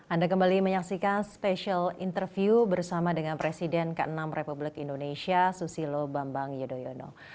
anda kembali menyaksikan spesial interview bersama dengan presiden ke enam republik indonesia susilo bambang yudhoyono